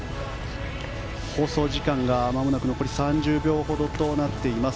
放送時間がまもなく残り３０秒ほどとなっています。